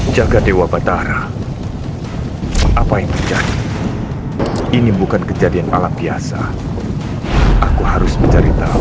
jaga dewa batara apa yang terjadi ini bukan kejadian alam biasa aku harus menceritakan